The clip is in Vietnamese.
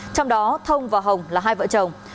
trong đó thông và hồng là hai vợ chồng